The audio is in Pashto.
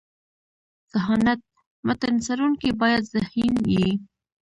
ذهانت: متن څړونکی باید ذهین يي.